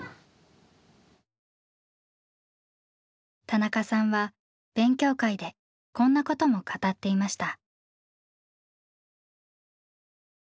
田中さんは勉強会でこんなことも語っていました。